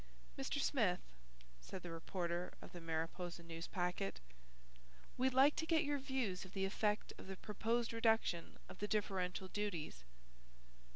"Mr. Smith," said the reporter of the Mariposa Newspacket, "we'd like to get your views of the effect of the proposed reduction of the differential duties."